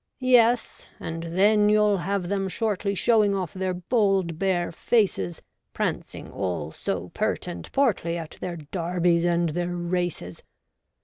Yes ; and then you'll have them shortly showing off their bold bare faces, Prancing all so pert and portly at their Derbys and their races.